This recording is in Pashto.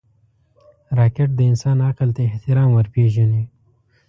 راکټ د انسان عقل ته احترام ورپېژني